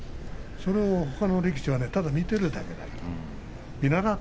それをほかの力士はただ見ているだけだから。